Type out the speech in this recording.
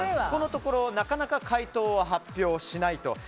このところ、なかなか回答を発表しないと。